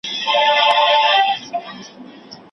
په واشنګټن کي